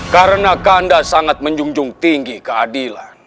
karena kanda sangat menjunjung tinggi keadilan